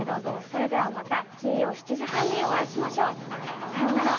それではまた金曜７時半にお会いしましょう。さようなら。